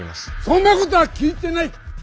そんなことは聞いてない！